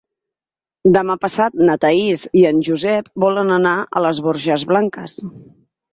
Demà passat na Thaís i en Josep volen anar a les Borges Blanques.